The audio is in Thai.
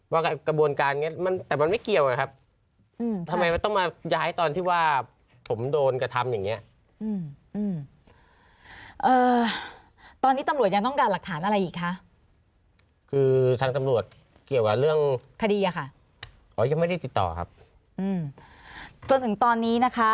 ว่าคุณศรีวัตรพึ่งทำงานกับคุณสมศักดิ์๓เดือนใช่ไหม